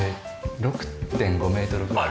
６．５メートルぐらい。